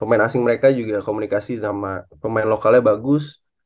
pemain asing mereka juga komunikasi sama pemain lokalnya bagus